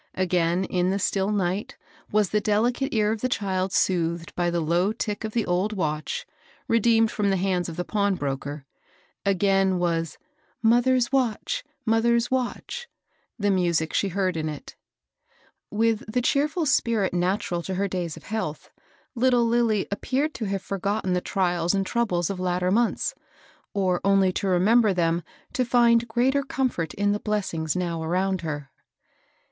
Again, in the still night, was the delicate ear of the child soothed by the low tick of the old watch, redeemed from the hands of the pawn broker ; again was ^^ mother's watch I mother's watch I " the music she heard in it. With the cheerful spirit natural to her days of health, little Lilly appeared to have forgotten the trials and troubles of latter months, or only to re member them to find greater comfort in the bless ings now around her.